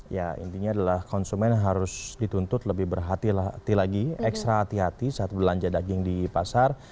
ya intinya adalah konsumen harus dituntut lebih berhati hati lagi ekstra hati hati saat belanja daging di pasar